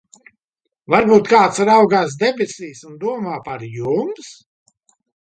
Varbūt kāds raugās debesīs un domā par jums?